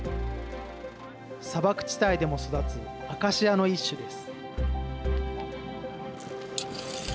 砂漠地帯でも育つアカシアの一種です。